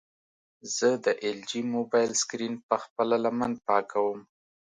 زه د ایل جي موبایل سکرین په خپله لمن پاکوم.